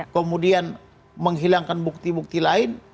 kemudian menghilangkan bukti bukti lain